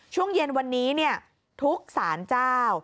ช่วงเย็นวันนี้ทุกสารเจ้า